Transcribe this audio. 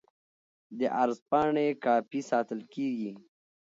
د عرض پاڼې کاپي ساتل کیږي.